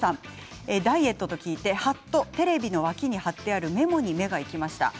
ダイエットと聞いてはっとテレビの脇に貼ってあるメモに目がいきました。